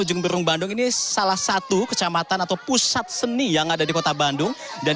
ujung berung bandung ini salah satu kecamatan atau pusat seni yang ada di kota bandung dan